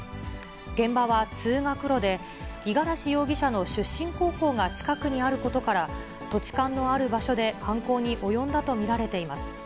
現場は通学路で、五十嵐容疑者の出身高校が近くにあることから、土地勘のある場所で犯行に及んだと見られています。